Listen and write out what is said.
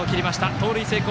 盗塁成功。